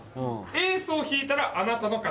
エースを引いたらあなたの勝ち。